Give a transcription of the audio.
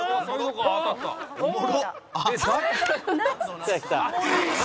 来た来た。